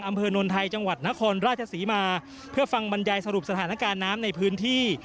อำเภอนนไทยจังหวัดนครราชศรีมาเพื่อฟังบรรยายสรุปสถานการณ์น้ำในพื้นที่